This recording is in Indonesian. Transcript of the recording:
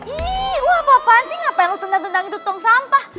ih lu apaan sih ngapain lu tentang tentang itu tong sampah